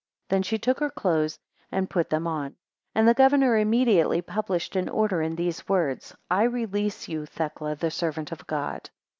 Then she took her clothes, and put them on; and the governor immediately published an order in these words: I release to you Thecla the servant of God.